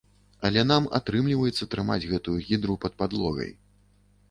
Але нам атрымліваецца трымаць гэтую гідру пад падлогай.